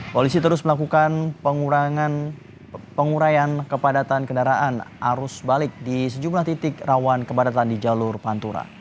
polisi terus melakukan pengurayan kepadatan kendaraan arus balik di sejumlah titik rawan kepadatan di jalur pantura